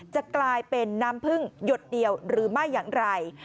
จะกลายเป็นน้ำพึ่งหยดเดียวหรือไม่อย่างไร